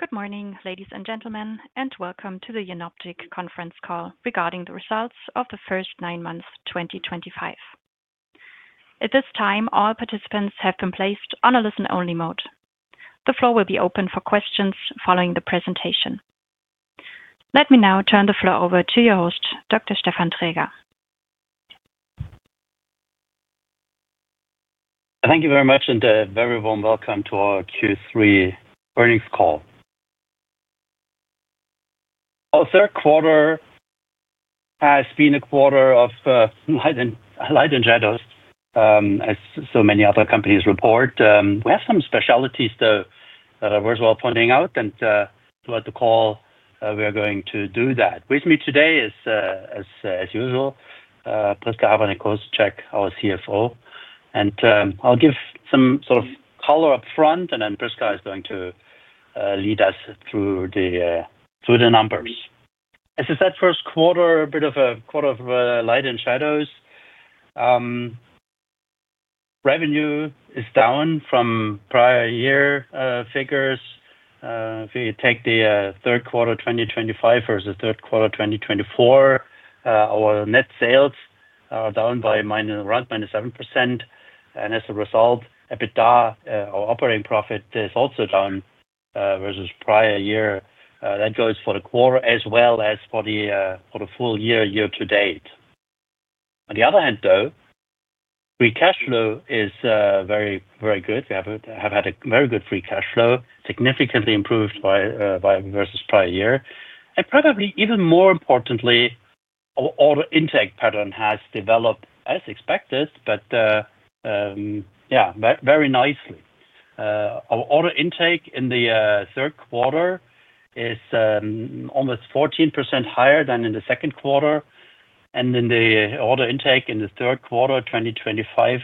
Good morning, ladies and gentlemen, and welcome to the Jenoptik conference call regarding the results of the first nine months 2025. At this time, all participants have been placed on a listen-only mode. The floor will be open for questions following the presentation. Let me now turn the floor over to your host, Dr. Stefan Traeger. Thank you very much, and a very warm welcome to our Q3 earnings call. Our third quarter has been a quarter of light and shadows, as so many other companies report. We have some specialties that are worthwhile pointing out, and throughout the call, we are going to do that. With me today is, as usual, Prisca Havranek-Kosicek, our CFO. I will give some sort of color upfront, and then Prisca is going to lead us through the numbers. As I said, first quarter, a bit of a quarter of light and shadows. Revenue is down from prior year figures. If you take the third quarter 2024 versus third quarter 2023, our net sales are down by around -7%. As a result, EBITDA, our operating profit, is also down versus prior year. That goes for the quarter as well as for the full year-year to date. On the other hand, though, free cash flow is very, very good. We have had a very good free cash flow, significantly improved versus prior year. Probably even more importantly, our order intake pattern has developed as expected, but yeah, very nicely. Our order intake in the third quarter is almost 14% higher than in the second quarter. The order intake in the third quarter 2025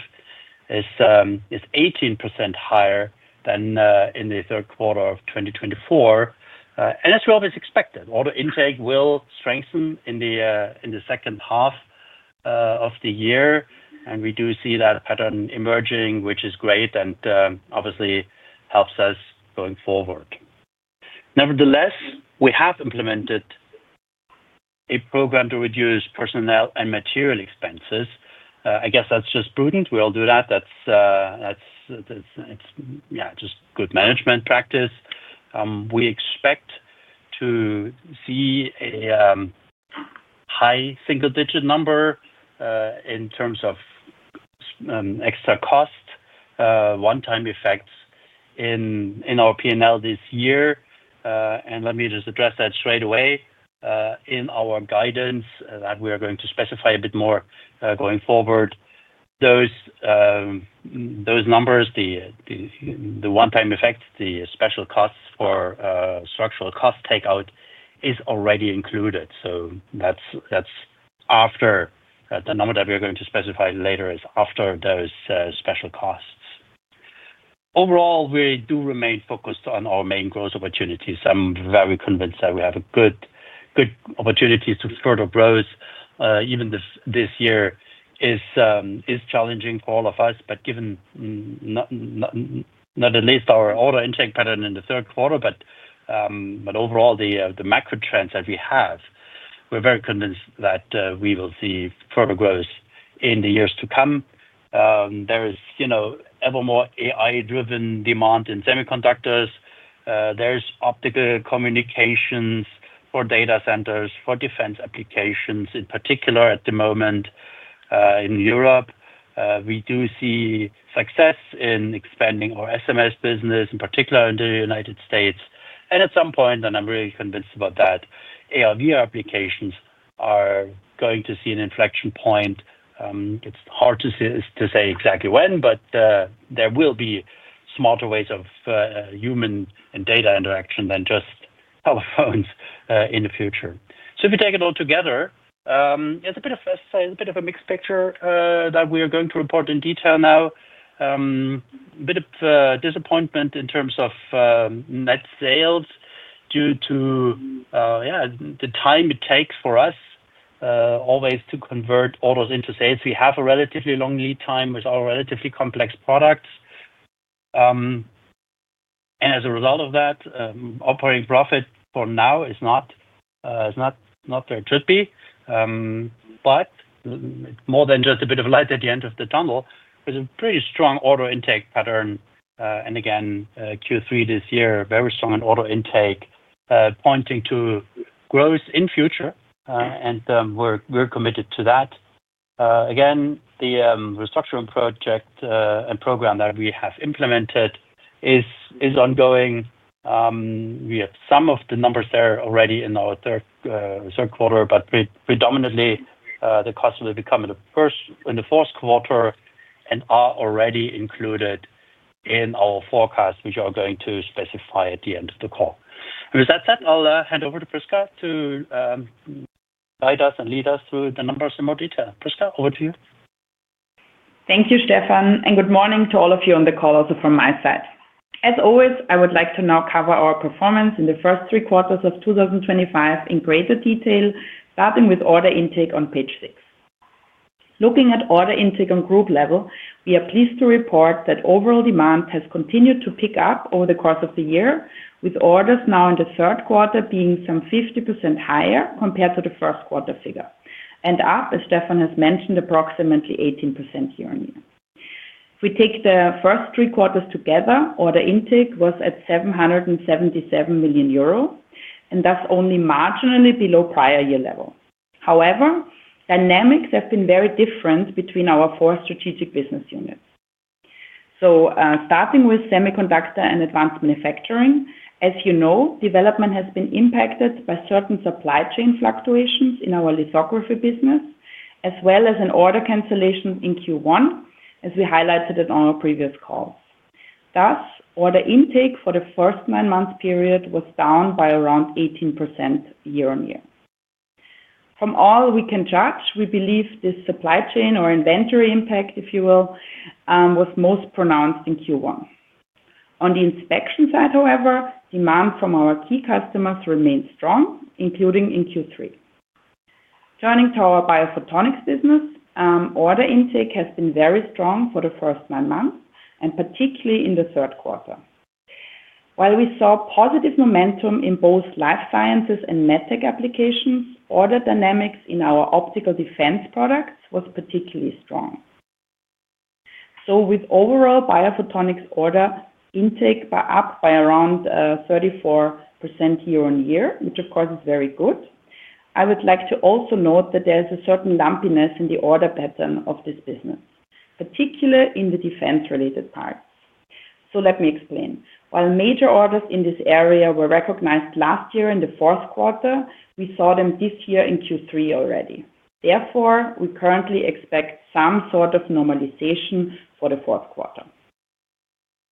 is 18% higher than in the third quarter of 2024. As we always expected, order intake will strengthen in the second half of the year. We do see that pattern emerging, which is great and obviously helps us going forward. Nevertheless, we have implemented a program to reduce personnel and material expenses. I guess that's just prudent. We all do that. That's, yeah, just good management practice. We expect to see a high single-digit number in terms of extra cost, one-time effects in our P&L this year. Let me just address that straight away. In our guidance that we are going to specify a bit more going forward, those numbers, the one-time effect, the special costs for structural cost takeout is already included. That is after the number that we are going to specify later is after those special costs. Overall, we do remain focused on our main growth opportunities. I'm very convinced that we have good opportunities to further growth. Even this year is challenging for all of us, but given not at least our order intake pattern in the third quarter, but overall the macro trends that we have, we're very convinced that we will see further growth in the years to come. There is ever more AI-driven demand in semiconductors. There's optical communications for data centers, for defense applications in particular at the moment in Europe. We do see success in expanding our SMS business, in particular in the United States. At some point, and I'm really convinced about that, AR/VR applications are going to see an inflection point. It's hard to say exactly when, but there will be smarter ways of human and data interaction than just telephones in the future. If you take it all together, it's a bit of a mixed picture that we are going to report in detail now. A bit of disappointment in terms of net sales due to, yeah, the time it takes for us always to convert orders into sales. We have a relatively long lead time with our relatively complex products. As a result of that, operating profit for now is not where it should be. More than just a bit of light at the end of the tunnel, there is a pretty strong order intake pattern. Again, Q3 this year, very strong in order intake, pointing to growth in future. We are committed to that. The restructuring project and program that we have implemented is ongoing. We have some of the numbers there already in our third quarter, but predominantly the cost will come in the fourth quarter and are already included in our forecast, which I am going to specify at the end of the call. With that said, I will hand over to Prisca to guide us and lead us through the numbers in more detail. Prisca, over to you. Thank you, Stefan. Good morning to all of you on the call also from my side. As always, I would like to now cover our performance in the first three quarters of 2025 in greater detail, starting with order intake on page six. Looking at order intake on group level, we are pleased to report that overall demand has continued to pick up over the course of the year, with orders now in the third quarter being some 50% higher compared to the first quarter figure, and up, as Stefan has mentioned, approximately 18% year-on-year. If we take the first three quarters together, order intake was at 777 million euro, and that is only marginally below prior year level. However, dynamics have been very different between our four strategic business units. Starting with semiconductor and advanced manufacturing, as you know, development has been impacted by certain supply chain fluctuations in our lithography business, as well as an order cancellation in Q1, as we highlighted on our previous call. Thus, order intake for the first nine months period was down by around 18% year-on-year. From all we can judge, we believe this supply chain or inventory impact, if you will, was most pronounced in Q1. On the inspection side, however, demand from our key customers remained strong, including in Q3. Joining to our biophotonics business, order intake has been very strong for the first nine months, and particularly in the third quarter. While we saw positive momentum in both life sciences and medtech applications, order dynamics in our optical defense products was particularly strong. With overall biophotonics order intake up by around 34% year-on-year, which of course is very good, I would like to also note that there is a certain lumpiness in the order pattern of this business, particularly in the defense-related parts. Let me explain. While major orders in this area were recognized last year in the fourth quarter, we saw them this year in Q3 already. Therefore, we currently expect some sort of normalization for the fourth quarter.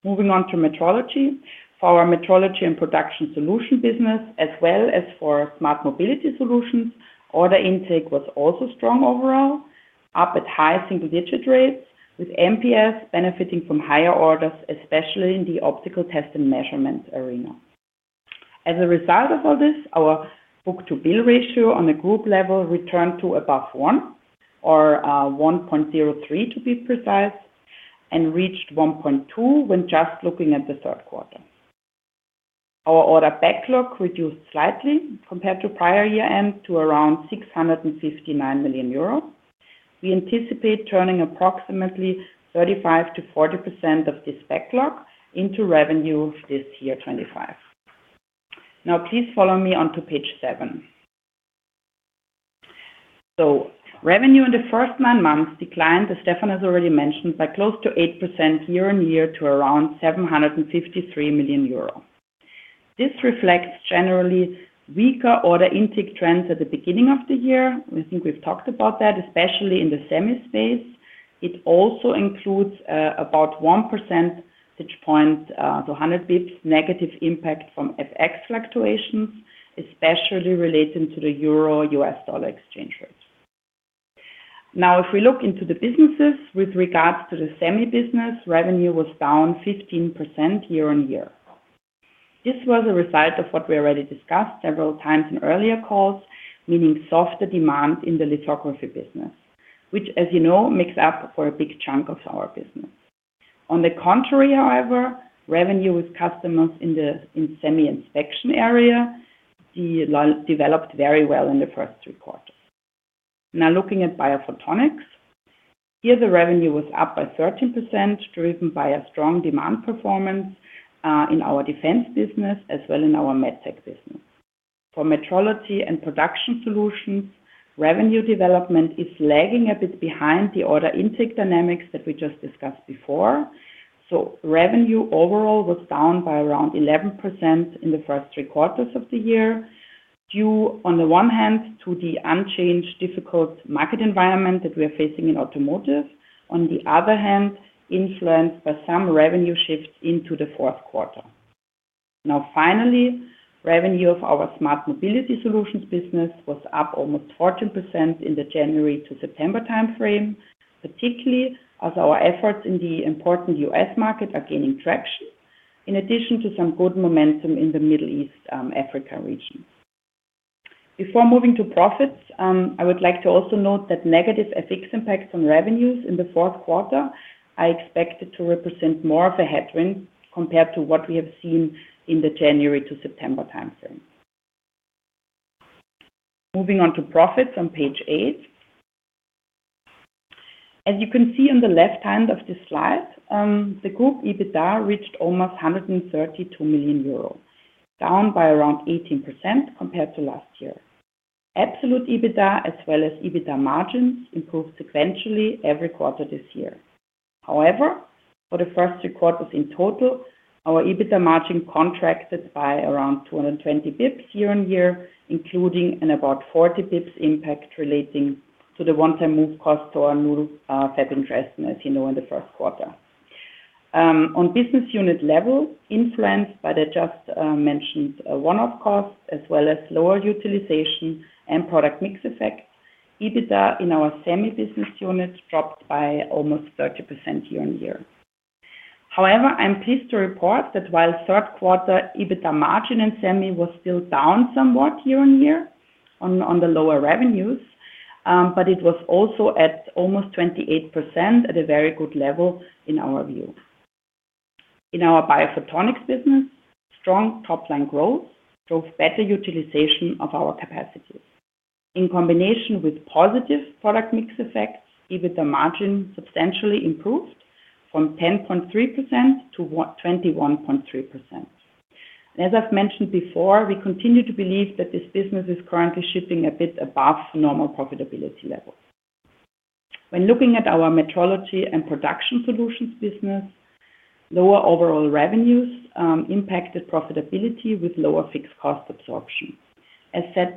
Moving on to metrology, for our metrology and production solution business, as well as for smart mobility solutions, order intake was also strong overall, up at high single-digit rates, with MPS benefiting from higher orders, especially in the optical test and measurement arena. As a result of all this, our book-to-bill ratio on a group level returned to above one, or 1.03 to be precise, and reached 1.2 when just looking at the third quarter. Our order backlog reduced slightly compared to prior year-end to around 659 million euro. We anticipate turning approximately 35%-40% of this backlog into revenue this year 2025. Now, please follow me onto page seven. Revenue in the first nine months declined, as Stefan has already mentioned, by close to 8% year-on-year to around 753 million euro. This reflects generally weaker order intake trends at the beginning of the year. I think we have talked about that, especially in the semi space. It also includes about 1% point, so 100 basis points, negative impact from FX fluctuations, especially relating to the euro-U.S. dollar exchange rate. Now, if we look into the businesses, with regards to the semi business, revenue was down 15% year-on-year. This was a result of what we already discussed several times in earlier calls, meaning softer demand in the lithography business, which, as you know, makes up for a big chunk of our business. On the contrary, however, revenue with customers in the semi inspection area developed very well in the first three quarters. Now, looking at biophotonics, here, the revenue was up by 13%, driven by a strong demand performance in our defense business, as well as in our medtech business. For metrology and production solutions, revenue development is lagging a bit behind the order intake dynamics that we just discussed before. Revenue overall was down by around 11% in the first three quarters of the year, due, on the one hand, to the unchanged, difficult market environment that we are facing in automotive, on the other hand, influenced by some revenue shifts into the fourth quarter. Now, finally, revenue of our smart mobility solutions business was up almost 14% in the January to September timeframe, particularly as our efforts in the important U.S. market are gaining traction, in addition to some good momentum in the Middle East, Africa region. Before moving to profits, I would like to also note that negative FX impacts on revenues in the fourth quarter are expected to represent more of a headwind compared to what we have seen in the January to September timeframe. Moving on to profits on page eight. As you can see on the left hand of this slide, the group EBITDA reached almost 132 million euro, down by around 18% compared to last year. Absolute EBITDA, as well as EBITDA margins, improved sequentially every quarter this year. However, for the first three quarters in total, our EBITDA margin contracted by around 220 basis points year-on-year, including an about 40 basis points impact relating to the one-time move cost to our new FAB in Dresden, as you know, in the first quarter. On business unit level, influenced by the just mentioned one-off cost, as well as lower utilization and product mix effect, EBITDA in our semi business unit dropped by almost 30% year-on-year. However, I'm pleased to report that while third quarter EBITDA margin in semi was still down somewhat year-on-year on the lower revenues, it was also at almost 28% at a very good level in our view. In our biophotonics business, strong top-line growth drove better utilization of our capacities. In combination with positive product mix effects, EBITDA margin substantially improved from 10.3%-21.3%. As I've mentioned before, we continue to believe that this business is currently shipping a bit above normal profitability levels. When looking at our metrology and production solutions business, lower overall revenues impacted profitability with lower fixed cost absorption. As said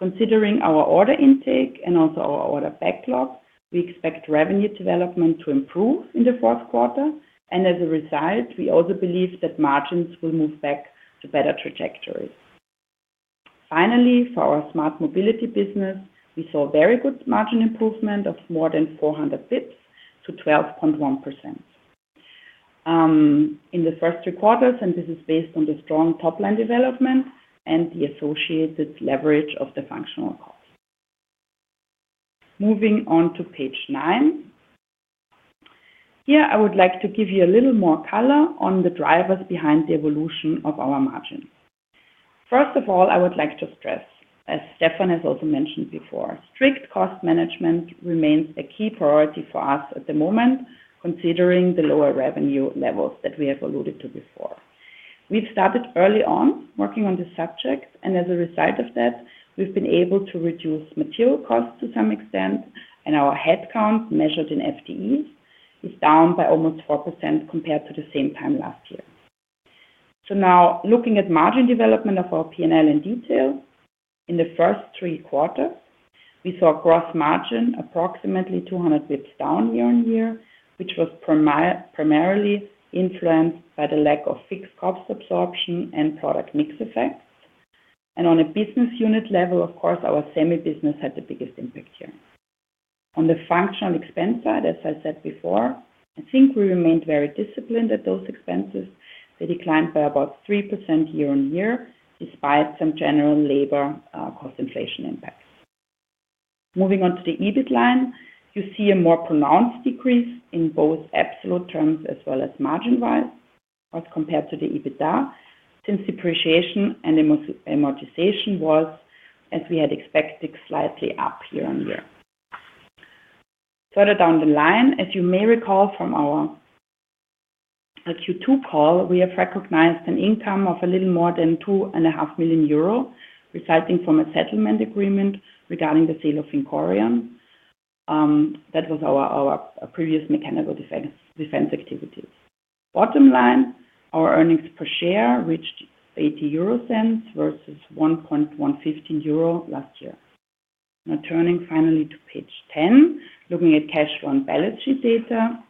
before, considering our order intake and also our order backlog, we expect revenue development to improve in the fourth quarter. As a result, we also believe that margins will move back to better trajectories. Finally, for our smart mobility business, we saw very good margin improvement of more than 400 basis points to 12.1% in the first three quarters, and this is based on the strong top-line development and the associated leverage of the functional cost. Moving on to page nine. Here, I would like to give you a little more color on the drivers behind the evolution of our margins. First of all, I would like to stress, as Stefan has also mentioned before, strict cost management remains a key priority for us at the moment, considering the lower revenue levels that we have alluded to before. We've started early on working on this subject, and as a result of that, we've been able to reduce material costs to some extent, and our headcount measured in FTEs is down by almost 4% compared to the same time last year. Now, looking at margin development of our P&L in detail, in the first three quarters, we saw gross margin approximately 200 basis points down year-on-year, which was primarily influenced by the lack of fixed cost absorption and product mix effects. On a business unit level, of course, our semi business had the biggest impact here. On the functional expense side, as I said before, I think we remained very disciplined at those expenses. They declined by about 3% year-on-year, despite some general labor cost inflation impacts. Moving on to the EBIT line, you see a more pronounced decrease in both absolute terms as well as margin-wise as compared to the EBITDA, since depreciation and amortization was, as we had expected, slightly up year-on-year. Further down the line, as you may recall from our Q2 call, we have recognized an income of a little more than 2.5 million euro resulting from a settlement agreement regarding the sale of Incorium. That was our previous mechanical defense activities. Bottom line, our earnings per share reached 0.80 versus 1.15 euro last year. Now, turning finally to page 10, looking at cash flow and balance sheet data,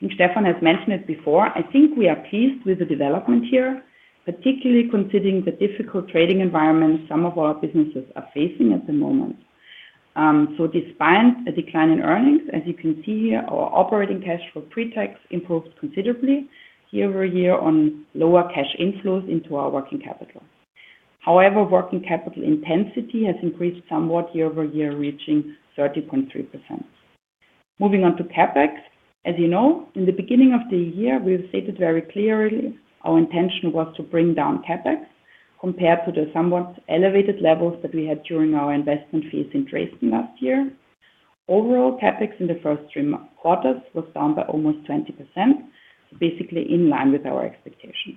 and Stefan has mentioned it before, I think we are pleased with the development here, particularly considering the difficult trading environment some of our businesses are facing at the moment. Despite a decline in earnings, as you can see here, our operating cash flow pretax improved considerably year-over-year on lower cash inflows into our working capital. However, working capital intensity has increased somewhat year-over-year, reaching 30.3%. Moving on to CapEx, as you know, in the beginning of the year, we stated very clearly our intention was to bring down CapEx compared to the somewhat elevated levels that we had during our investment phase in Dresden last year. Overall, CapEx in the first three quarters was down by almost 20%, basically in line with our expectations.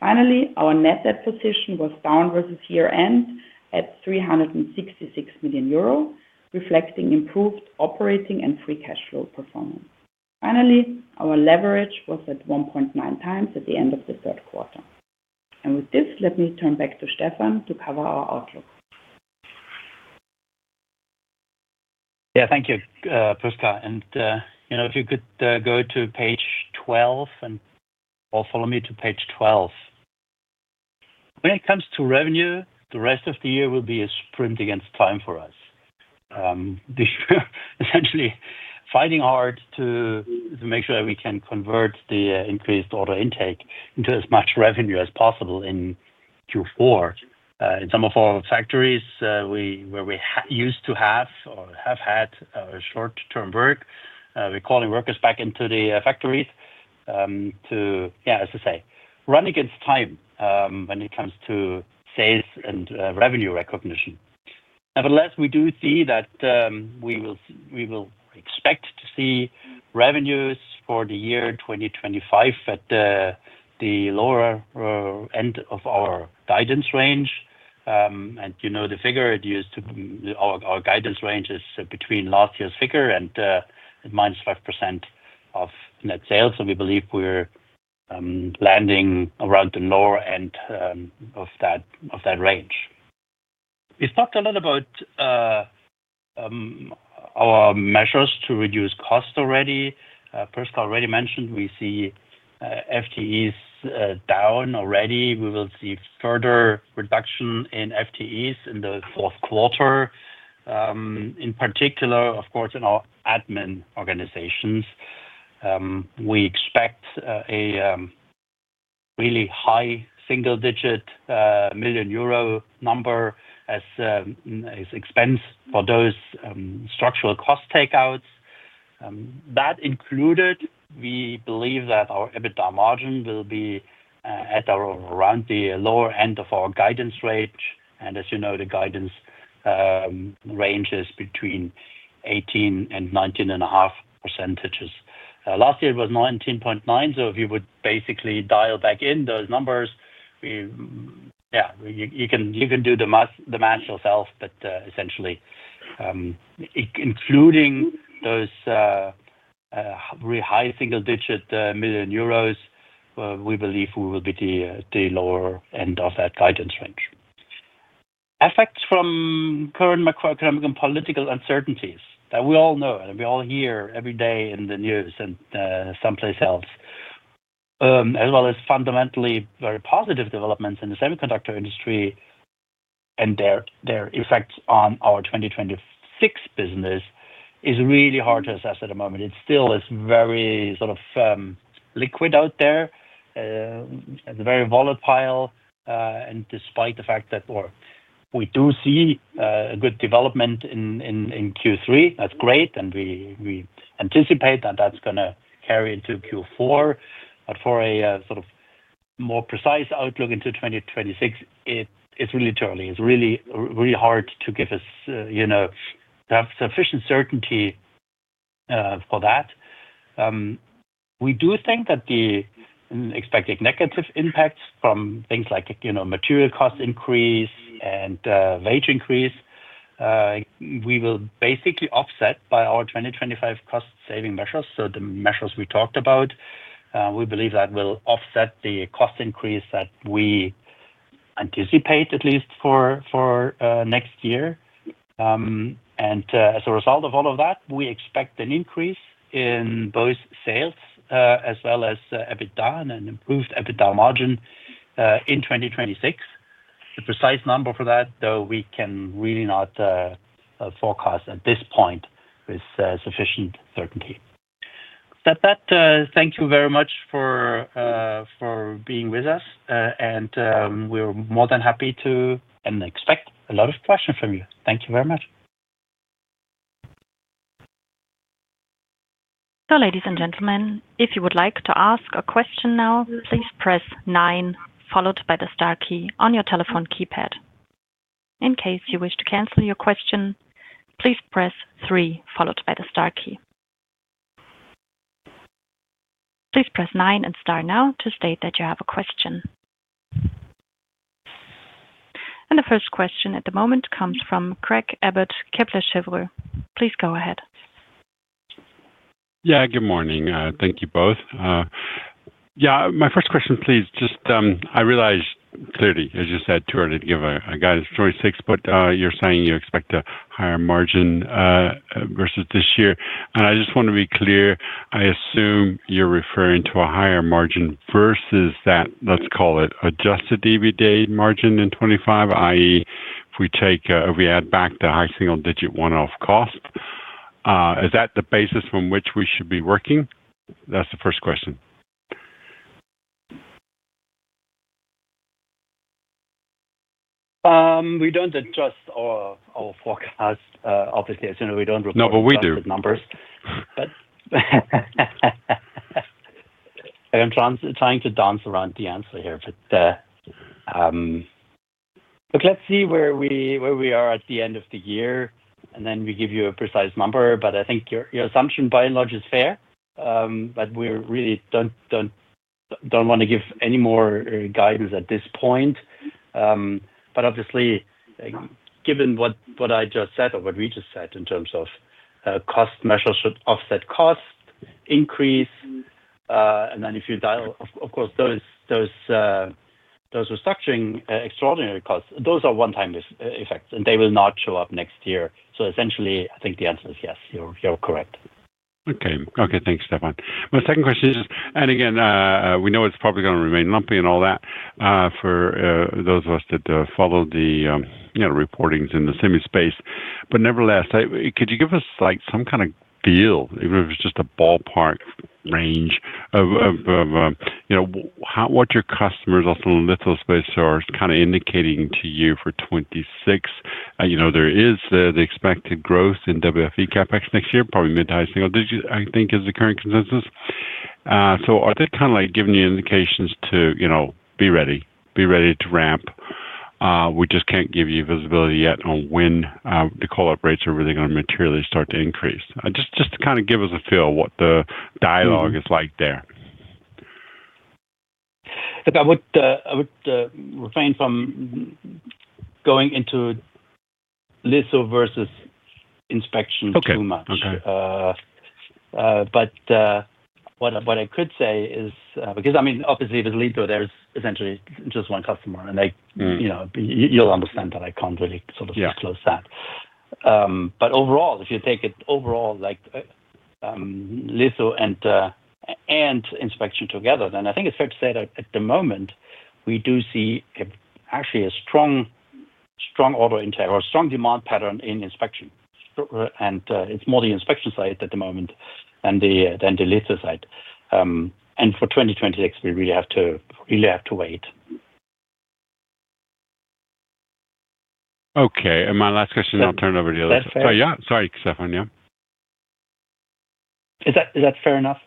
Finally, our net debt position was down versus year-end at 366 million euro, reflecting improved operating and free cash flow performance. Finally, our leverage was at 1.9 times at the end of the third quarter. With this, let me turn back to Stefan to cover our outlook. Yeah, thank you, Prisca. If you could go to page 12, and follow me to page 12. When it comes to revenue, the rest of the year will be a sprint against time for us. Essentially fighting hard to make sure that we can convert the increased order intake into as much revenue as possible in Q4. In some of our factories, where we used to have or have had short-term work, we're calling workers back into the factories to, yeah, as I say, run against time when it comes to sales and revenue recognition. Nevertheless, we do see that we will expect to see revenues for the year 2025 at the lower end of our guidance range. You know the figure used to our guidance range is between last year's figure and -5% of net sales, and we believe we're landing around the lower end of that range. We've talked a lot about our measures to reduce costs already. Prisca already mentioned we see FTEs down already. We will see further reduction in FTEs in the fourth quarter. In particular, of course, in our admin organizations, we expect a really high single-digit million EUR number as expense for those structural cost takeouts. That included, we believe that our EBITDA margin will be at around the lower end of our guidance range. As you know, the guidance range is between 18%-19.5%. Last year, it was 19.9%, so if you would basically dial back in those numbers, yeah, you can do the math yourself, but essentially, including those really high single-digit million EUR, we believe we will be the lower end of that guidance range. Effects from current macroeconomic and political uncertainties that we all know and we all hear every day in the news and someplace else, as well as fundamentally very positive developments in the semiconductor industry and their effects on our 2026 business, is really hard to assess at the moment. It still is very sort of liquid out there. It's very volatile. Despite the fact that we do see a good development in Q3, that's great, and we anticipate that that's going to carry into Q4. For a sort of more precise outlook into 2026, it's really too early. It's really, really hard to give us, to have sufficient certainty for that. We do think that the expected negative impacts from things like material cost increase and wage increase, we will basically offset by our 2025 cost-saving measures. The measures we talked about, we believe that will offset the cost increase that we anticipate, at least for next year. As a result of all of that, we expect an increase in both sales as well as EBITDA and an improved EBITDA margin in 2026. The precise number for that, though, we can really not forecast at this point with sufficient certainty. With that, thank you very much for being with us, and we're more than happy to and expect a lot of questions from you. Thank you very much. Ladies and gentlemen, if you would like to ask a question now, please press nine, followed by the star key on your telephone keypad. In case you wish to cancel your question, please press three, followed by the star key. Please press nine and star now to state that you have a question. The first question at the moment comes from Greg Abbott, Kepler Cheuvreux. Please go ahead. Yeah, good morning. Thank you both. Yeah, my first question, please. Just I realized clearly, as you said, too, I did not give a guidance for '26, but you're saying you expect a higher margin versus this year. I just want to be clear, I assume you're referring to a higher margin versus that, let's call it, adjusted EBITDA margin in '25, i.e., if we add back the high single-digit one-off cost, is that the basis from which we should be working? That's the first question. We don't adjust our forecast. Obviously, as you know, we don't report. No, but we do adjusted numbers. I'm trying to dance around the answer here, but look, let's see where we are at the end of the year, and then we give you a precise number. I think your assumption, by and large, is fair, but we really don't want to give any more guidance at this point. Obviously, given what I just said or what we just said in terms of cost measures should offset cost increase, and then if you dial, of course, those restructuring extraordinary costs, those are one-time effects, and they will not show up next year. Essentially, I think the answer is yes. You're correct. Okay. Okay. Thanks, Stefan. My second question is, and again, we know it's probably going to remain lumpy and all that for those of us that follow the reportings in the semi space. Nevertheless, could you give us some kind of feel, even if it's just a ballpark range of what your customers also in the lithospace are kind of indicating to you for '26? There is the expected growth in WFE CapEx next year, probably mid to high single digit, I think is the current consensus are they kind of giving you indications to be ready, be ready to ramp? We just can't give you visibility yet on when the call-out rates are really going to materially start to increase. Just to kind of give us a feel of what the dialogue is like there. I would refrain from going into lithos versus inspection too much. What I could say is, because, I mean, obviously, with Litho, there is essentially just one customer, and you'll understand that I can't really sort of disclose that. Overall, if you take it overall, lithos and inspection together, then I think it's fair to say that at the moment, we do see actually a strong order intake or strong demand pattern in inspection. It's more the inspection side at the moment than the lithos side. For 2026, we really have to wait. Okay. My last question, and I'll turn it over to the others. Oh, yeah? Sorry, Stefan. Is that fair enough?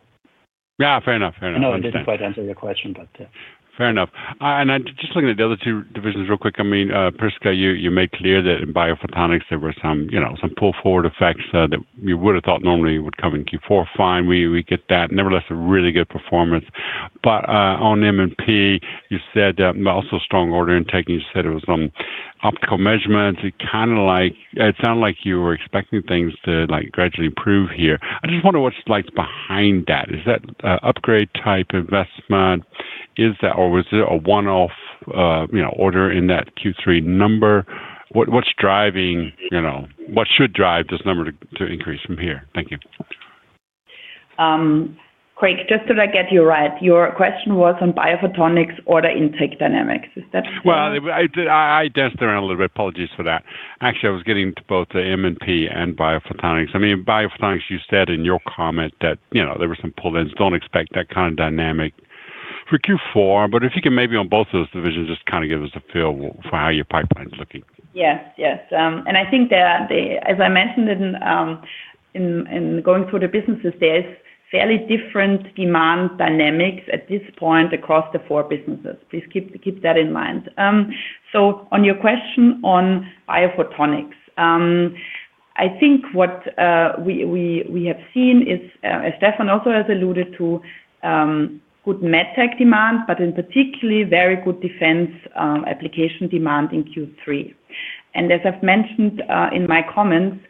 Yeah, fair enough. Fair enough. No, I didn't quite answer your question. But fair enough. Just looking at the other two divisions real quick, I mean, Prisca, you made clear that in biophotonics, there were some pull-forward effects that you would have thought normally would come in Q4. Fine. We get that. Nevertheless, a really good performance. On M&P, you said also strong order intake. You said it was optical measurements. It sounded like you were expecting things to gradually improve here. I just wonder what's behind that. Is that upgrade-type investment? Or was it a one-off order in that Q3 number? What's driving? What should drive this number to increase from here? Thank you. Craig, just so that I get you right, your question was on biophotonics order intake dynamics. Is that correct? I danced around a little bit. Apologies for that. Actually, I was getting to both M&P and biophotonics. I mean, biophotonics, you said in your comment that there were some pull-ins. Do not expect that kind of dynamic for Q4. If you can maybe on both those divisions, just kind of give us a feel for how your pipeline's looking. Yes. Yes. I think that, as I mentioned in going through the businesses, there are fairly different demand dynamics at this point across the four businesses. Please keep that in mind. On your question on biophotonics, I think what we have seen is, as Stefan also has alluded to, good medtech demand, but in particular, very good defense application demand in Q3. As I have mentioned in my comments,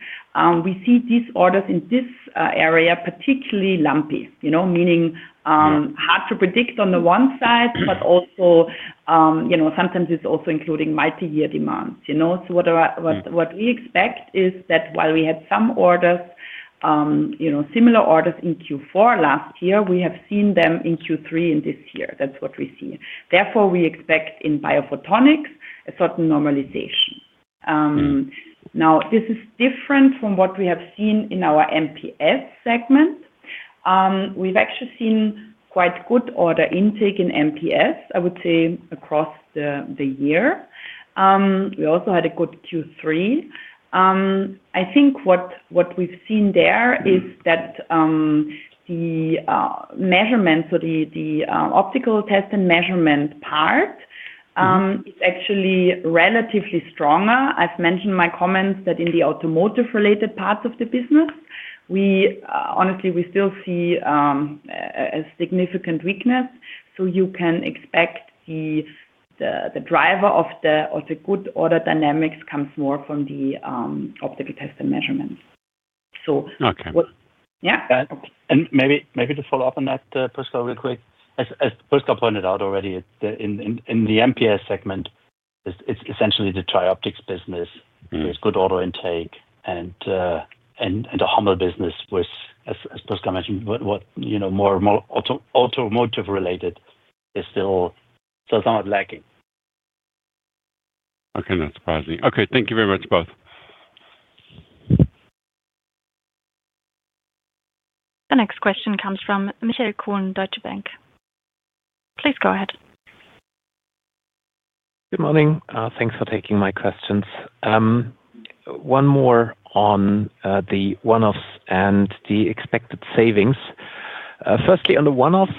we see these orders in this area particularly lumpy, meaning hard to predict on the one side, but also sometimes it is also including multi-year demands. What we expect is that while we had some similar orders in Q4 last year, we have seen them in Q3 in this year. That is what we see. Therefore, we expect in biophotonics a certain normalization. Now, this is different from what we have seen in our MPS segment. We have actually seen quite good order intake in MPS, I would say, across the year. We also had a good Q3. I think what we have seen there is that the measurement, so the optical test and measurement part, is actually relatively stronger. I have mentioned in my comments that in the automotive-related parts of the business, honestly, we still see a significant weakness. You can expect the driver of the good order dynamics comes more from the optical test and measurement. Yeah. Maybe to follow up on that, Prisca, real quick. As Prisca pointed out already, in the MPS segment, it is essentially the TRIOPTICS business. There is good order intake, and a humbled business, as Prisca mentioned, more automotive-related, is still somewhat lacking. Okay. Not surprising. Okay. Thank you very much, both. The next question comes from Michael Kuhn, Deutsche Bank. Please go ahead. Good morning. Thanks for taking my questions. One more on the one-offs and the expected savings. Firstly, on the one-offs,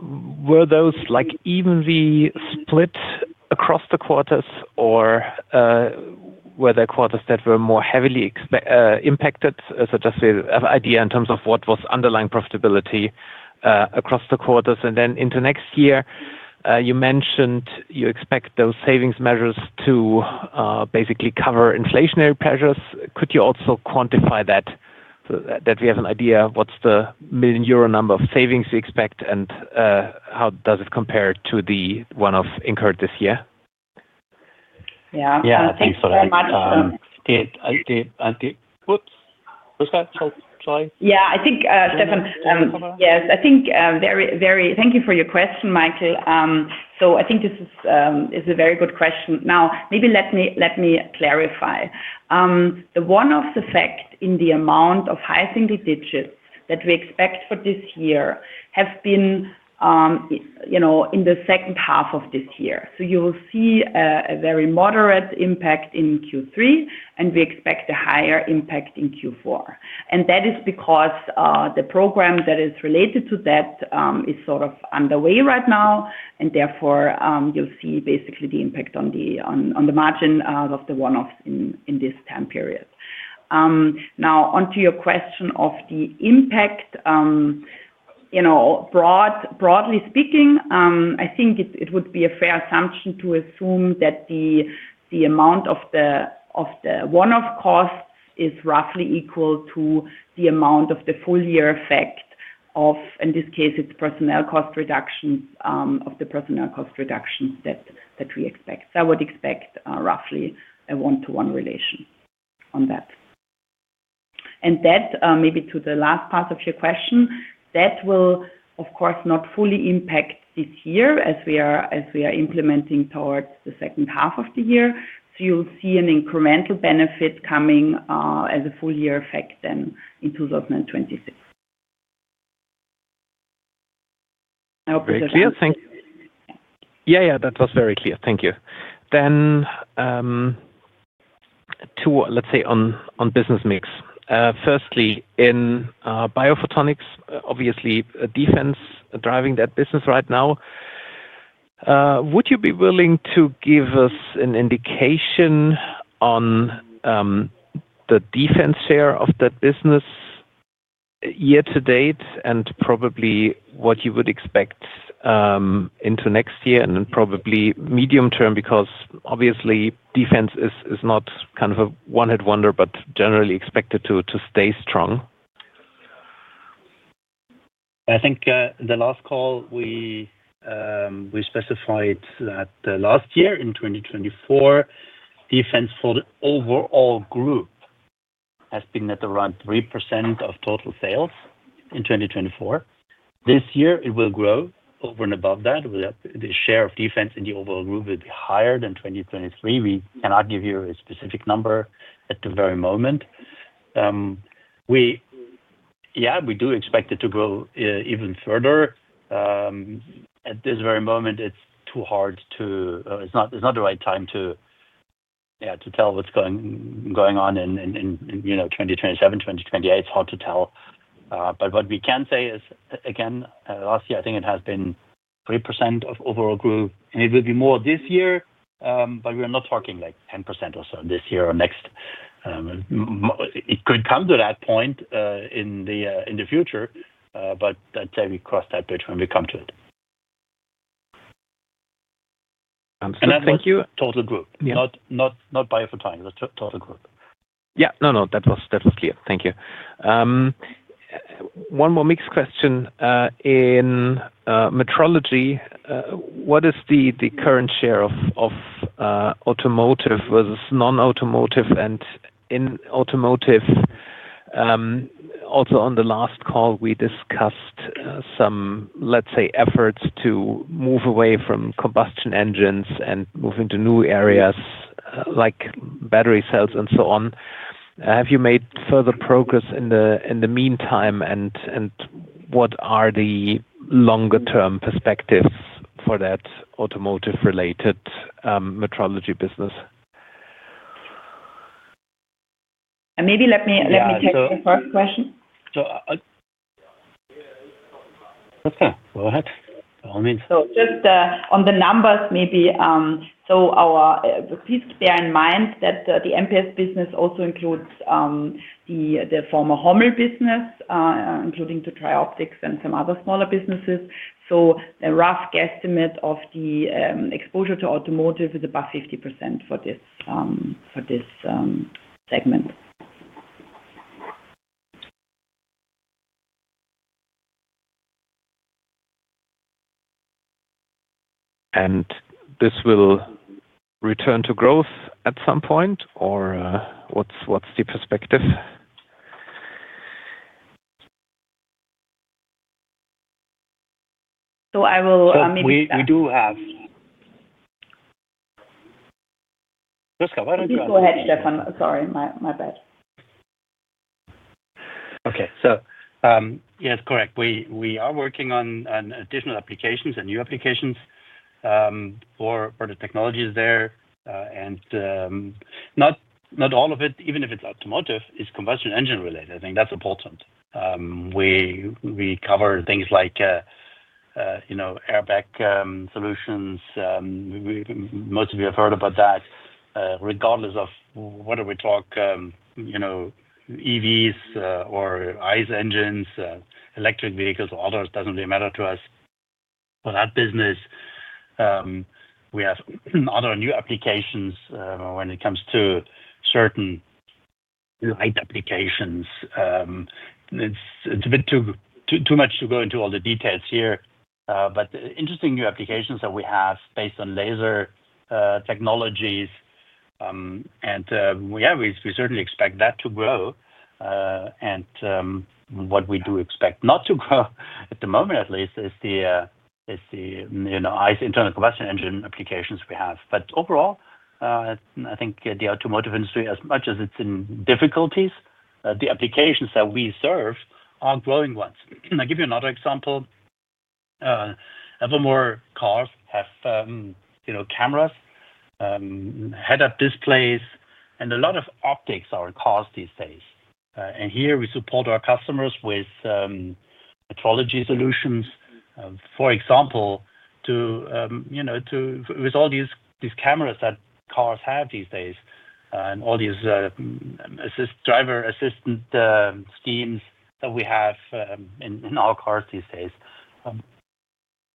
were those evenly split across the quarters, or were there quarters that were more heavily impacted? Just to have an idea in terms of what was underlying profitability across the quarters into next year, you mentioned you expect those savings measures to basically cover inflationary pressures. Could you also quantify that, so that we have an idea of what is the million euro number of savings you expect, and how does it compare to the one-off incurred this year? Yeah. Thank you very much. Oops. Prisca, sorry. Yeah. I think, Stefan, yes. I think thank you for your question, Michael. I think this is a very good question. Now, maybe let me clarify. The one-off effect in the amount of high single digits that we expect for this year has been in the second half of this year. You will see a very moderate impact in Q3, and we expect a higher impact in Q4. That is because the program that is related to that is sort of underway right now, and therefore, you'll see basically the impact on the margin of the one-offs in this time period. Now, onto your question of the impact, broadly speaking, I think it would be a fair assumption to assume that the amount of the one-off costs is roughly equal to the amount of the full-year effect of, in this case, it's personnel cost reductions, of the personnel cost reductions that we expect. I would expect roughly a one-to-one relation on that. Maybe to the last part of your question, that will, of course, not fully impact this year as we are implementing towards the second half of the year. You'll see an incremental benefit coming as a full-year effect then in 2026. I hope it was clear. Yeah, yeah. That was very clear. Thank you. Then two, let's say, on business mix. Firstly, in biophotonics, obviously, defense driving that business right now. Would you be willing to give us an indication on the defense share of that business year to date and probably what you would expect into next year and then probably medium term because, obviously, defense is not kind of a one-hit wonder, but generally expected to stay strong? I think in the last call, we specified that last year in 2024, defense for the overall group has been at around 3% of total sales in 2024. This year, it will grow over and above that. The share of defense in the overall group will be higher than 2023. We cannot give you a specific number at the very moment. Yeah, we do expect it to grow even further at this very moment, it's too hard to, it's not the right time to tell what's going on in 2027, 2028. It's hard to tell. What we can say is, again, last year, I think it has been 3% of overall group. It will be more this year, but we're not talking like 10% or so this year or next. It could come to that point in the future, but let's say we cross that bridge when we come to it. Thank you. Total group. Not biophotonics, but total group. Yeah. No, no. That was clear. Thank you. One more mixed question. In metrology, what is the current share of automotive versus non-automotive? In automotive, also on the last call, we discussed some, let's say, efforts to move away from combustion engines and move into new areas like battery cells and so on, have you made further progress in the meantime, and what are the longer-term perspectives for that automotive-related metrology business? Maybe let me take the first question. Okay. Go ahead. All means. Just on the numbers, maybe. Please bear in mind that the MPS business also includes the former Hummel business, including TRIOPTICS and some other smaller businesses. The rough guesstimate of the exposure to automotive is about 50% for this segment. This will return to growth at some point, or what is the perspective? I will maybe start. We do have. Prisca, why do not you? Please go ahead, Stefan. Sorry, my bad. Okay. Yes, correct. We are working on additional applications and new applications for the technologies there. Not all of it, even if it is automotive, is combustion engine-related. I think that is important. We cover things like airbag solutions, most of you have heard about that. Regardless of whether we talk EVs or ICE engines, electric vehicles or others, it does not really matter to us. For that business, we have other new applications when it comes to certain light applications. It is a bit too much to go into all the details here. Interesting new applications that we have are based on laser technologies. Yeah, we certainly expect that to grow. What we do expect not to grow, at the moment at least, is the ICE internal combustion engine applications we have. Overall, I think the automotive industry, as much as it is in difficulties, the applications that we serve are growing ones. I will give you another example. Evermore cars have cameras, head-up displays, and a lot of optics are cars these days. Here, we support our customers with metrology solutions, for example, with all these cameras that cars have these days and all these driver-assistant schemes that we have in our cars these days.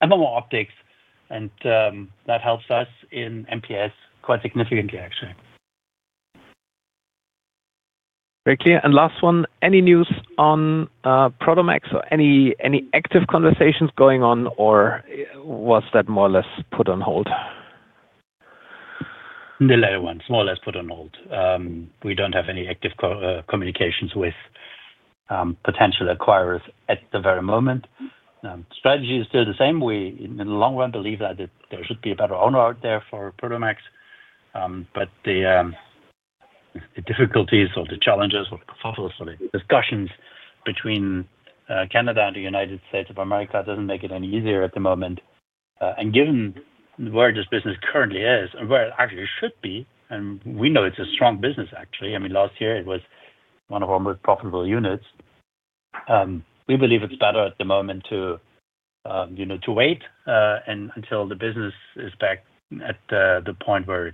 Evermore optics, and that helps us in MPS quite significantly, actually. Very clear. Last one, any news on Prodomax or any active conversations going on, or was that more or less put on hold? The latter one, more or less put on hold. We do not have any active communications with potential acquirers at the very moment. Strategy is still the same. In the long run, believe that there should be a better owner out there for Prodomax. The difficulties or the challenges or the discussions between Canada and the United States does not make it any easier at the moment. Given where this business currently is and where it actually should be, and we know it's a strong business, actually. I mean, last year, it was one of our most profitable units. We believe it's better at the moment to wait until the business is back at the point where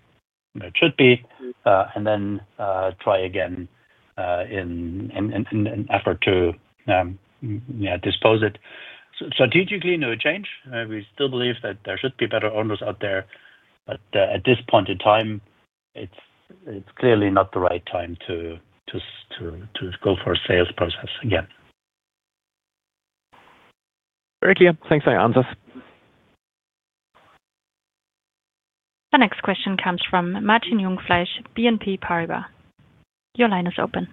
it should be and then try again in an effort to dispose it. Strategically, no change. We still believe that there should be better owners out there. At this point in time, it's clearly not the right time to go for a sales process again. Very clear. Thanks. The next question comes from Martin Jungfleisch, BNP Paribas. Your line is open.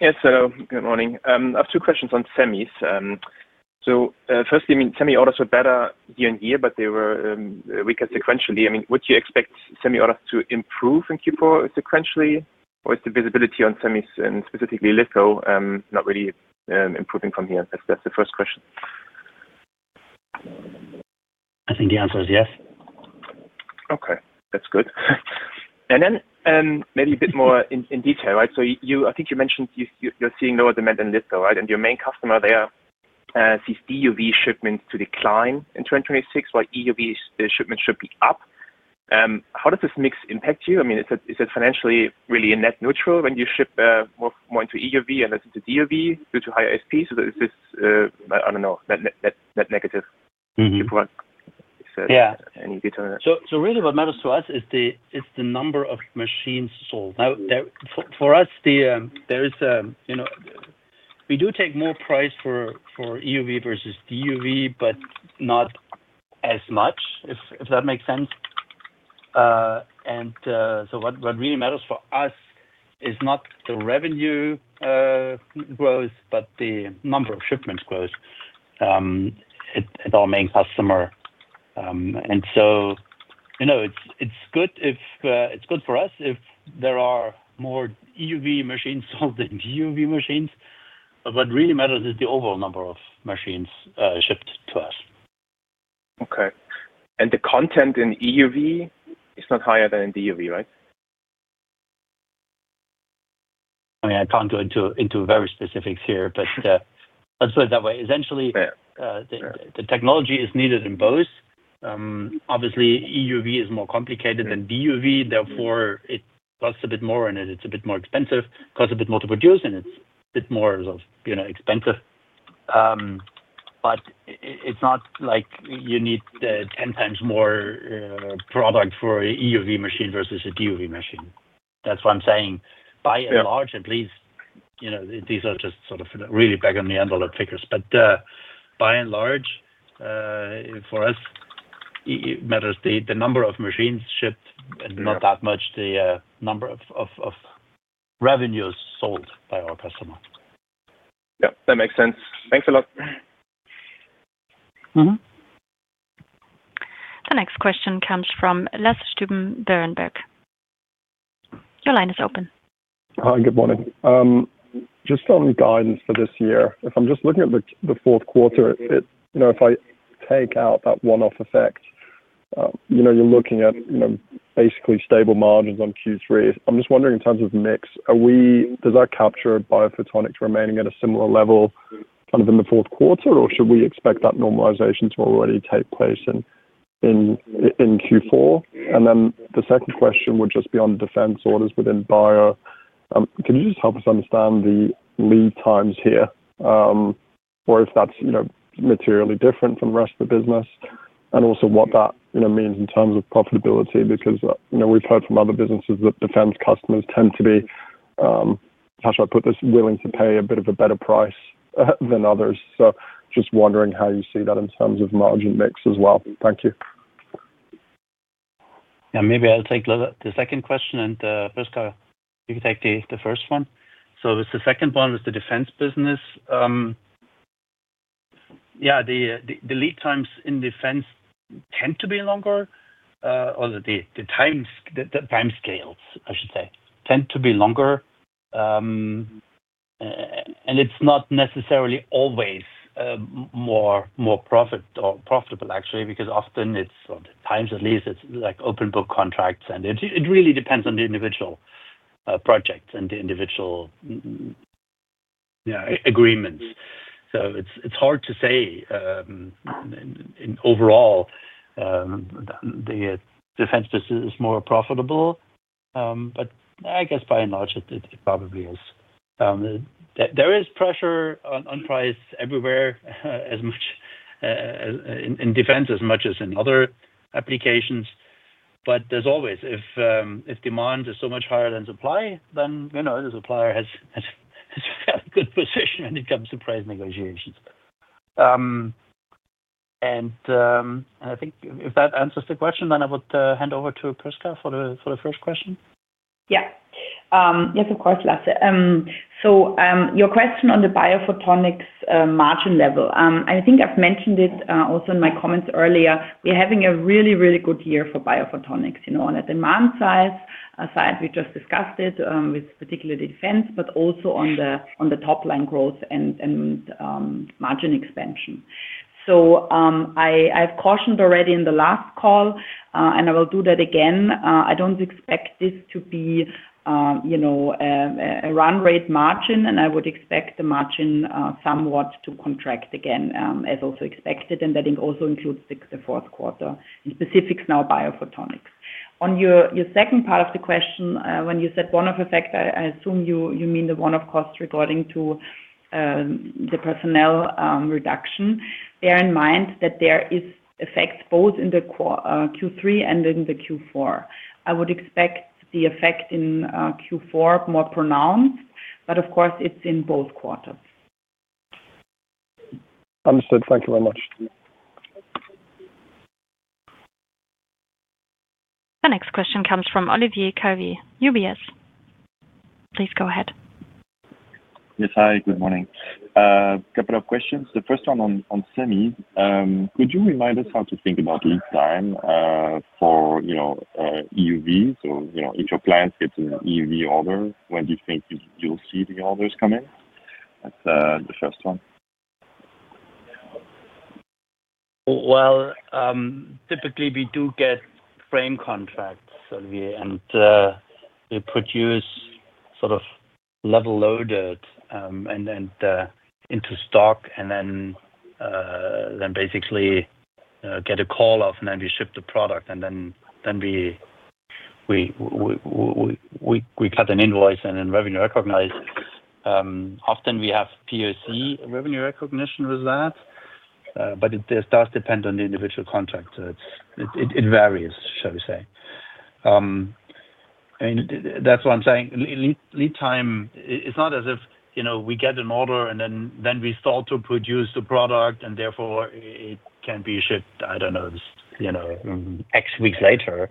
Yes. Hello. Good morning. I have two questions on semis. Firstly, I mean, semi-autos were better year in year, but they were weaker sequentially. I mean, would you expect semi-autos to improve in Q4 sequentially, or is the visibility on semis and specifically litho not really improving from here? That's the first question. I think the answer is yes. Okay. That's good. Maybe a bit more in detail, right? I think you mentioned you're seeing lower demand in litho, right? Your main customer there sees DUV shipments to decline in 2026, while EUV shipments should be up. How does this mix impact you? I mean, is it financially really net neutral when you ship more into EUV and less into DUV due to higher SP? Is this, I don't know, net negative? Is there any detail on that? Yeah. Really, what matters to us is the number of machines sold. Now, for us, we do take more price for EUV versus DUV, but not as much, if that makes sense. What really matters for us is not the revenue growth, but the number of shipments growth at our main customer. It is good for us if there are more EUV machines sold than DUV machines. What really matters is the overall number of machines shipped to us. Okay. The content in EUV is not higher than in DUV, right? I mean, I can't go into very specifics here, but let's put it that way. Essentially, the technology is needed in both. Obviously, EUV is more complicated than DUV. Therefore, it costs a bit more, and it is a bit more expensive. It costs a bit more to produce, and it is a bit more expensive. It is not like you need 10 times more product for an EUV machine versus a DUV machine. That is what I am saying. By and large, at least, these are just sort of really back on the envelope figures. By and large, for us, it matters the number of machines shipped and not that much the number of revenues sold by our customer. Yep. That makes sense. Thanks a lot. The next question comes from Lasse Stüben Berenberg. Your line is open. Hi. Good morning. Just on guidance for this year, if I am just looking at the fourth quarter, if I take out that one-off effect, you are looking at basically stable margins on Q3. I am just wondering in terms of mix, does that capture biophotonics remaining at a similar level kind of in the fourth quarter, or should we expect that normalization to already take place in Q4? The second question would just be on defense orders within bio. Could you just help us understand the lead times here, or if that is materially different from the rest of the business, and also what that means in terms of profitability? Because we have heard from other businesses that defense customers tend to be, how should I put this, willing to pay a bit of a better price than others. Just wondering how you see that in terms of margin mix as well. Thank you. Yeah. Maybe I will take the second question. Prisca, you can take the first one. The second one was the defense business. Yeah. The lead times in defense tend to be longer, or the time scales, I should say, tend to be longer. It is not necessarily always more profitable, actually, because often at times it is open book contracts. It really depends on the individual projects and the individual agreements. It is hard to say. Overall, the defense business is more profitable. I guess by and large, it probably is. There is pressure on price everywhere in defense as much as in other applications. If demand is so much higher than supply, then the supplier has a fairly good position when it comes to price negotiations. I think if that answers the question, I would hand over to Prisca for the first question. Yes, of course, Lasse. Your question on the biophotonics margin level, I think I have mentioned it also in my comments earlier. We are having a really, really good year for biophotonics on a demand side. We just discussed it with particularly defense, but also on the top-line growth and margin expansion. I have cautioned already in the last call, and I will do that again. I do not expect this to be a run rate margin, and I would expect the margin somewhat to contract again, as also expected. That also includes the fourth quarter. Specifics now, biophotonics. On your second part of the question, when you said one-off effect, I assume you mean the one-off cost regarding the personnel reduction. Bear in mind that there is effect both in Q3 and in Q4. I would expect the effect in Q4 more pronounced, but of course, it is in both quarters. Understood. Thank you very much. The next question comes from Olivier Kovy, UBS. Please go ahead. Yes. Hi. Good morning. A couple of questions. The first one on semis, could you remind us how to think about lead time for EUVs? If your clients get an EUV order, when do you think you'll see the orders coming? That's the first one. Typically, we do get frame contracts, Olivier, and we produce sort of level loaded and into stock, and then basically get a call off, and then we ship the product. Then we cut an invoice and then revenue recognize. Often, we have POC revenue recognition with that, but it does depend on the individual contract. It varies, shall we say. That's what I'm saying. Lead time, it's not as if we get an order, and then we start to produce the product, and therefore it can be shipped, I don't know, X weeks later.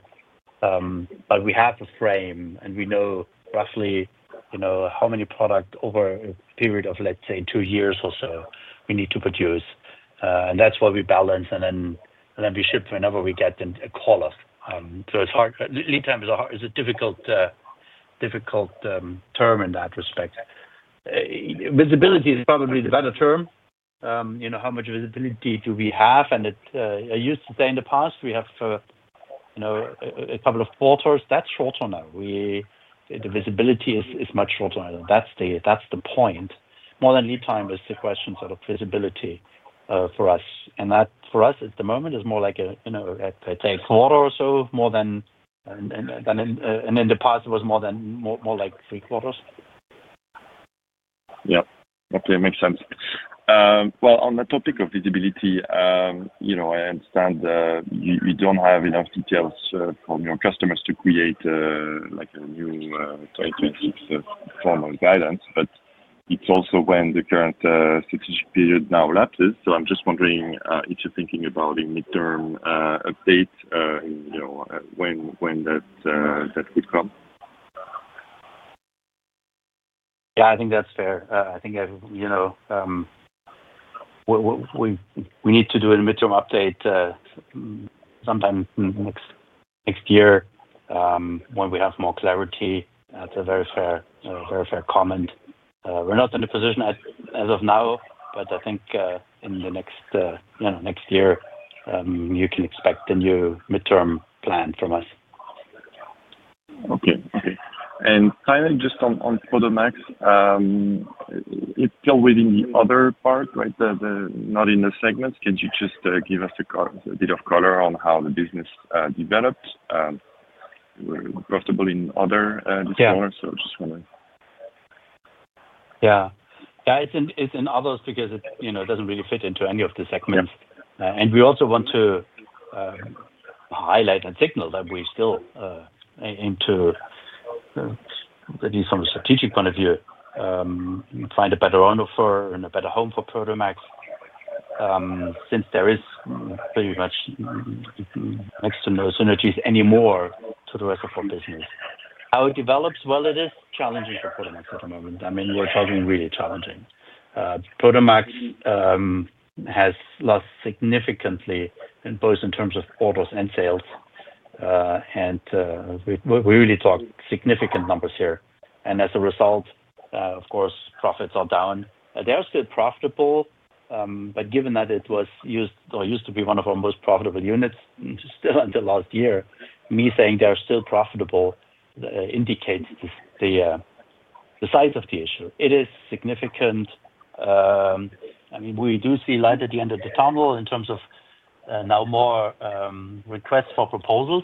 We have a frame, and we know roughly how many products over a period of, let's say, two years or so we need to produce. That is what we balance, and then we ship whenever we get a call off. Lead time is a difficult term in that respect. Visibility is probably the better term. How much visibility do we have? I used to say in the past, we have a couple of quarters. That is shorter now. The visibility is much shorter. That is the point. More than lead time, it is the question of visibility for us. For us, at the moment, it is more like a quarter or so, and in the past, it was more like three quarters. Yep. Makes sense. On the topic of visibility, I understand you do not have enough details from your customers to create a new 2026 formal guidance, but it is also when the current strategic period now lapses. I'm just wondering if you're thinking about a midterm update when that could come. Yeah. I think that's fair. I think we need to do a midterm update sometime next year when we have more clarity. That's a very fair comment. We're not in a position as of now, but I think in the next year, you can expect a new midterm plan from us. Okay. Okay. And finally, just on Prodomax, it's still within the other part, right? Not in the segments. Can you just give us a bit of color on how the business developed? We're comfortable in other disclosures, so I just want to. Yeah. It's in others because it doesn't really fit into any of the segments. We also want to highlight and signal that we still aim to, at least from a strategic point of view, find a better owner for and a better home for Prodomax since there is pretty much next to no synergies anymore to the rest of our business. How it develops while it is challenging for Prodomax at the moment. I mean, we're talking really challenging. Prodomax has lost significantly both in terms of orders and sales, and we really talk significant numbers here. As a result, of course, profits are down. They are still profitable, but given that it was used or used to be one of our most profitable units still until last year, me saying they are still profitable indicates the size of the issue. It is significant. I mean, we do see light at the end of the tunnel in terms of now more requests for proposals,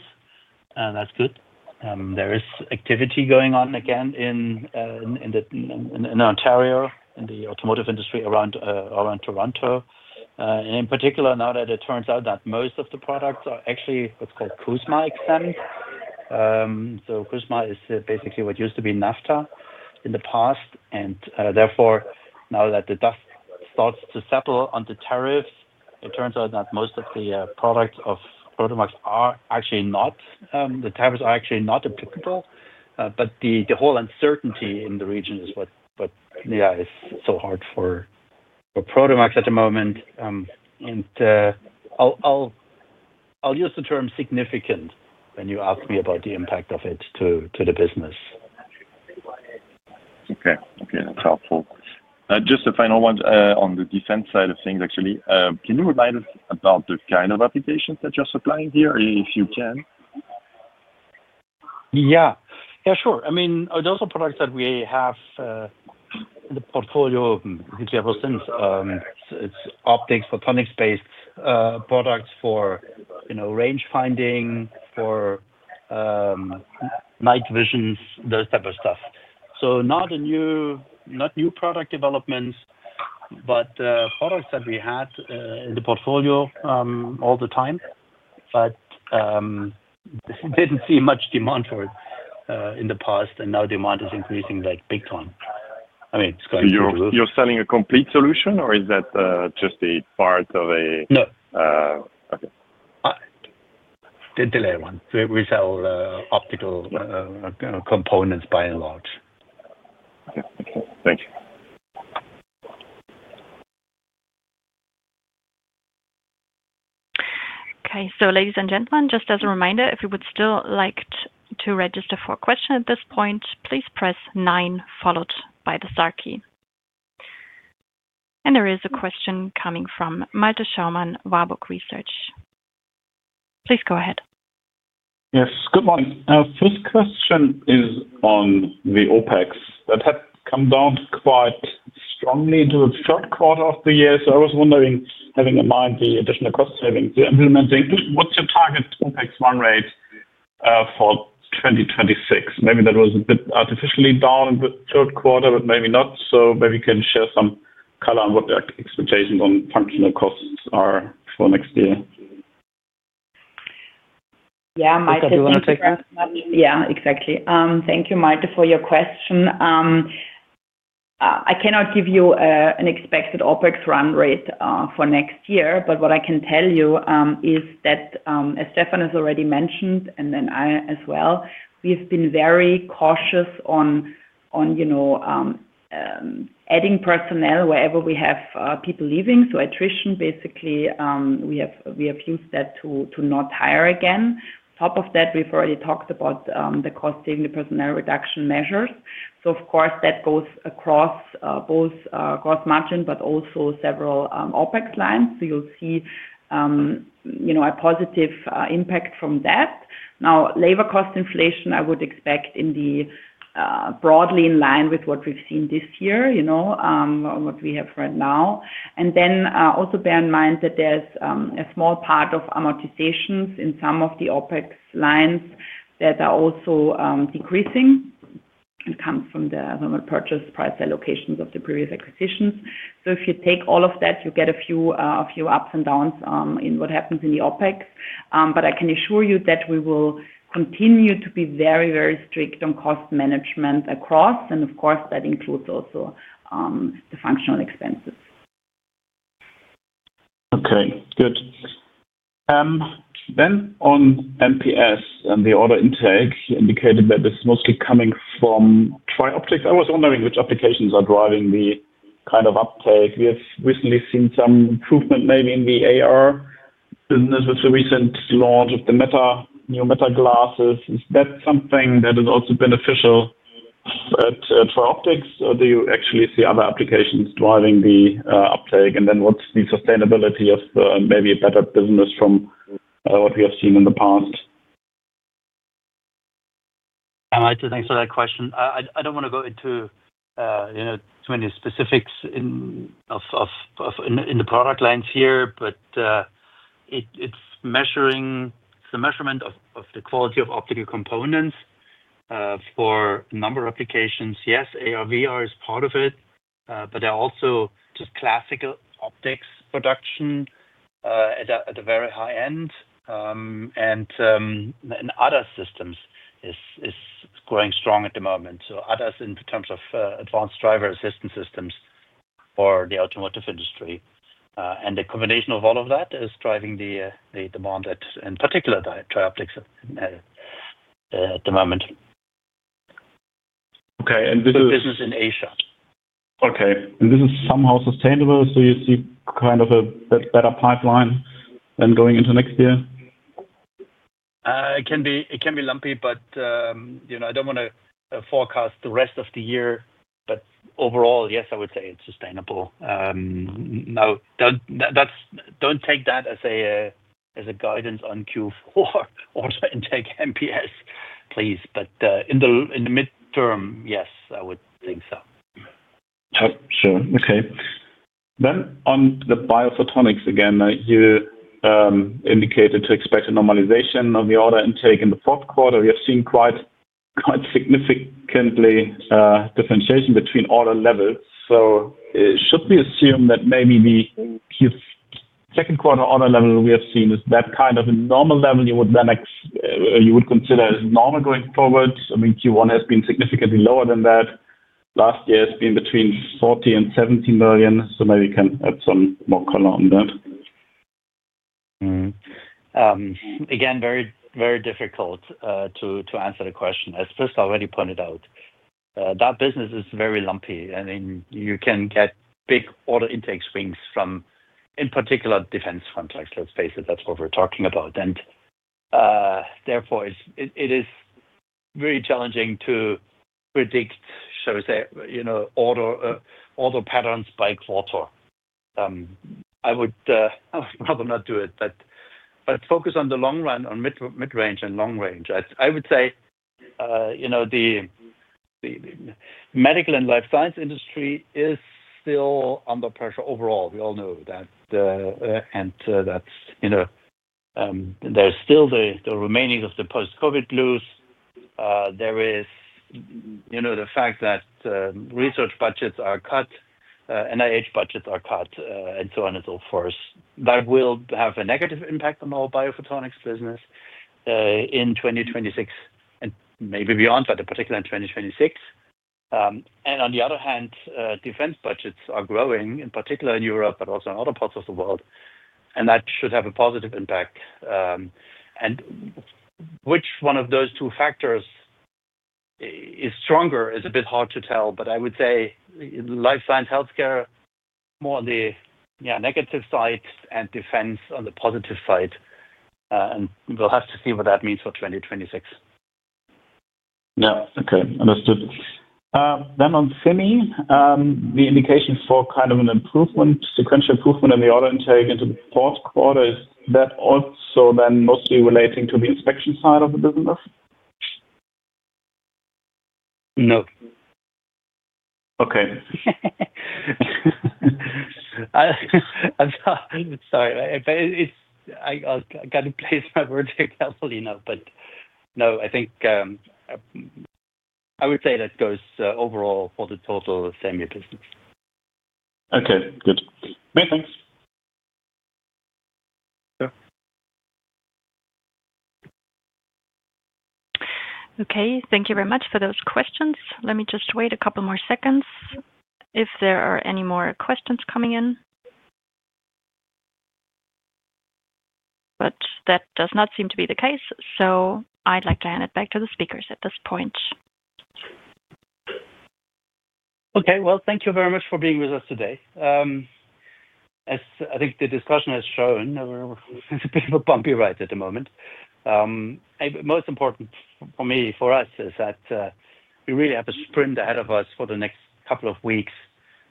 and that's good. There is activity going on again in Ontario, in the automotive industry around Toronto. In particular, now that it turns out that most of the products are actually what's called Kusma exempt. Kusma is basically what used to be NAFTA in the past. Therefore, now that the dust starts to settle on the tariffs, it turns out that most of the products of Prodomax are actually not—the tariffs are actually not applicable. The whole uncertainty in the region is what is so hard for Prodomax at the moment. I'll use the term significant when you ask me about the impact of it to the business. Okay. Okay. That's helpful. Just a final one on the defense side of things, actually, can you remind us about the kind of applications that you're supplying here, if you can? Yeah. Sure. I mean, those are products that we have in the portfolio since we have a sense. It's optics, photonics-based products for range finding, for night visions, those type of stuff. Not new product developments, but products that we had in the portfolio all the time, but did not see much demand for it in the past, and now demand is increasing like big time. I mean, it's going to. You're selling a complete solution, or is that just a part of a? No. Okay. Delay one. We sell optical components by and large. Okay. Okay. Thanks. Okay. Ladies and gentlemen, just as a reminder, if you would still like to register for a question at this point, please press nine followed by the star key. There is a question coming from Malte Schaumann, Warburg Research. Please go ahead. Yes. Good morning. First question is on the OpEx. That had come down quite strongly into the third quarter of the year. I was wondering, having in mind the additional cost savings you're implementing, what's your target OpEx run rate for 2026? Maybe that was a bit artificially down in the third quarter, but maybe not. Maybe you can share some color on what your expectations on functional costs are for next year. Yeah. Malte, do you want to take that? Yeah. Exactly. Thank you, Malte, for your question. I cannot give you an expected OpEx run rate for next year, but what I can tell you is that, as Stefan has already mentioned, and then I as well, we've been very cautious on adding personnel wherever we have people leaving attrition, basically, we have used that to not hire again. On top of that, we've already talked about the cost-saving personnel reduction measures. Of course, that goes across both gross margin, but also several OPEX lines. You'll see a positive impact from that. Now, labor cost inflation, I would expect to be broadly in line with what we've seen this year, what we have right now. Also bear in mind that there's a small part of amortizations in some of the OPEX lines that are also decreasing. It comes from the purchase price allocations of the previous acquisitions. If you take all of that, you get a few ups and downs in what happens in the OPEX. I can assure you that we will continue to be very, very strict on cost management across. Of course, that includes also the functional expenses. Okay. Good. On MPS and the order intake, you indicated that it's mostly coming from TRIOPTICS. I was wondering which applications are driving the kind of uptake. We have recently seen some improvement maybe in the AR business with the recent launch of the new Meta glasses. Is that something that is also beneficial at TRIOPTICS, or do you actually see other applications driving the uptake? What's the sustainability of maybe a better business from what we have seen in the past? I'd like to thank you for that question. I don't want to go into too many specifics in the product lines here, but it's the measurement of the quality of optical components for a number of applications. Yes, AR/VR is part of it, but there are also just classical optics production at the very high end. Other systems are growing strong at the moment. Others in terms of advanced driver assistance systems for the automotive industry. The combination of all of that is driving the demand in particular TRIOPTICS at the moment. This is for business in Asia. This is somehow sustainable, so you see kind of a better pipeline than going into next year? It can be lumpy, but I do not want to forecast the rest of the year. Overall, yes, I would say it is sustainable. Do not take that as a guidance on Q4 or intake MPS, please. In the midterm, yes, I would think so. Sure. On the biophotonics again, you indicated to expect a normalization of the order intake in the fourth quarter. We have seen quite significantly differentiation between order levels. Should we assume that maybe the second quarter order level we have seen is that kind of a normal level you would consider as normal going forward? I mean, Q1 has been significantly lower than that. Last year has been between €40 million and €70 million. Maybe you can add some more color on that. Again, very difficult to answer the question. As Prisca already pointed out, that business is very lumpy. I mean, you can get big order intake swings from, in particular, defense contracts. Let's face it, that's what we're talking about. Therefore, it is very challenging to predict, shall we say, order patterns by quarter. I would rather not do it, but focus on the long run, on mid-range and long range. I would say the medical and life science industry is still under pressure overall. We all know that. There is still the remaining post-COVID blues. There is the fact that research budgets are cut, NIH budgets are cut, and so on and so forth. That will have a negative impact on our biophotonics business in 2026 and maybe beyond, but particularly in 2026. On the other hand, defense budgets are growing, in particular in Europe, but also in other parts of the world. That should have a positive impact. Which one of those two factors is stronger is a bit hard to tell, but I would say life science healthcare more on the negative side and defense on the positive side. We will have to see what that means for 2026. Yeah. Okay. Understood. On CME, the indication for kind of an improvement, sequential improvement in the order intake into the fourth quarter, is that also then mostly relating to the inspection side of the business? Sorry. I got to place my words very carefully now, but no, I think I would say that goes overall for the total SEMI business. Okay. Good. Okay. Thanks. Okay. Thank you very much for those questions. Let me just wait a couple more seconds if there are any more questions coming in. That does not seem to be the case, so I'd like to hand it back to the speakers at this point. Thank you very much for being with us today. As I think the discussion has shown, it's a bit of a bumpy ride at the moment. Most important for me, for us, is that we really have a sprint ahead of us for the next couple of weeks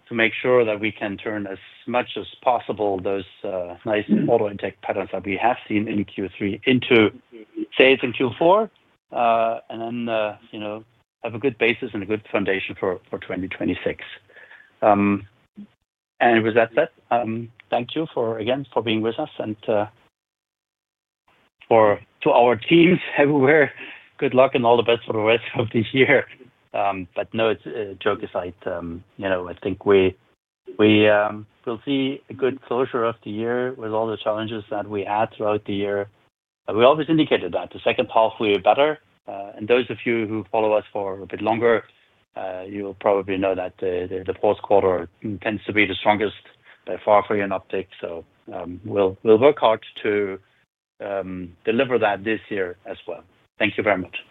to make sure that we can turn as much as possible those nice order intake patterns that we have seen in Q3 into phase in Q4, and then have a good basis and a good foundation for 2026. With that said, thank you again for being with us and to our teams everywhere. Good luck and all the best for the rest of the year. No, it's a joke aside. I think we'll see a good closure of the year with all the challenges that we had throughout the year. We always indicated that the second half will be better. Those of you who follow us for a bit longer, you'll probably know that the fourth quarter tends to be the strongest by far for you in optics. We will work hard to deliver that this year as well. Thank you very much.